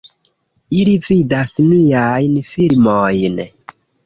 Ili vidas miajn filmojn